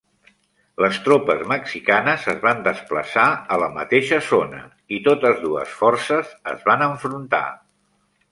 Les tropes mexicanes es van desplaçar a la mateixa zona, i totes dues forces es van enfrontar.